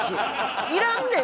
いらんねん！